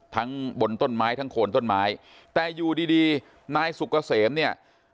ทั้งบนต้นไม้ทั้งโคนต้นไม้แต่อยู่ดีดีนายสุกเกษมเนี่ย